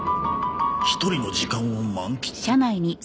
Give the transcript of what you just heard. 「一人の時間を満喫」